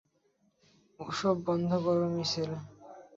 এসব বন্ধ করো, মিশেল।